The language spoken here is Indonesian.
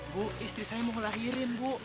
bu istri saya mau melahirin bu